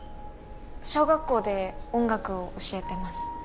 小学校で音楽を教えてます